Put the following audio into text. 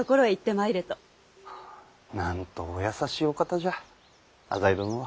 なんとお優しいお方じゃ浅井殿は。